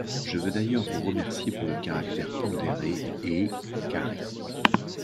Je veux d’ailleurs vous remercier pour le caractère pondéré Et carré